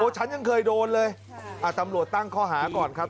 ฉันยังเคยโดนเลยตำรวจตั้งข้อหาก่อนครับ